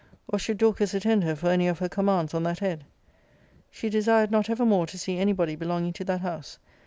Or should Dorcas attend her for any of her commands on that head? She desired not ever more to see any body belonging to that house.